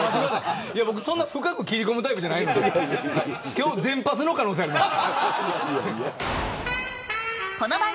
そんな深く切り込むタイプじゃないので今日は全パスの可能性があります。